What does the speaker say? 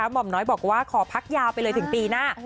หมอมน้อยบอกว่าขอพักยาวไปเลยถึงปีหน้า